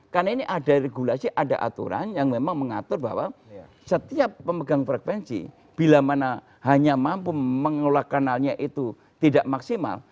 karena ini ada regulasi ada aturan yang memang mengatur bahwa setiap pemegang frekuensi bila mana hanya mampu mengelola kanalnya itu tidak maksimal